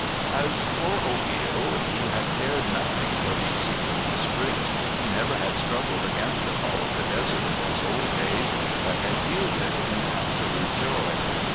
As for Obil, he had cared nothing for these secret whisperings. He never had struggled against the call of the desert in those old days, but had yielded in absolute joy.